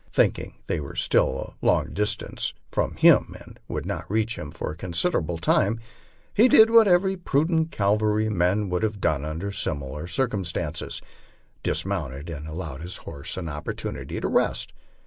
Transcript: Thinking they were still a long distance from him and would not reach him for a considerable time, he did what every prudent cavalryman would have done under similar circumstances dismounted to allow his horse an opportunity to rest.